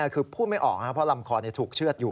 คือพูดไม่ออกเพราะลำคอถูกเชื่อดอยู่